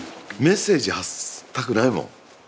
メッセージ発したくないもん。